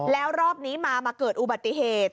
แล้วรอบนี้มามาเกิดอุบัติเหตุ